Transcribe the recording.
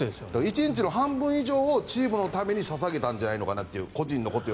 １日の半分以上をチームのために捧げたんじゃないのかなという。